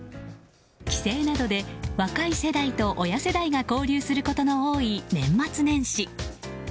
帰省などで若い世代と親世代が交流することの多い年末年始。